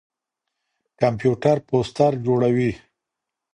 کمپيوټر پوسټر جوړوي.